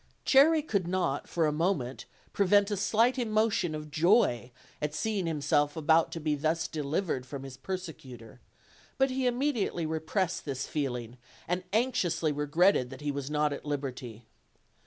Cherry could not for a moment prevent a slight emotion of joy at seeing himself about to be thus delivered from his persecutor; but he immediately repressed this feel ing, and anxiously regretted that he was not at liberty.